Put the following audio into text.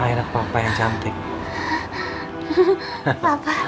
tapi aku juga mark says dateng ke darawang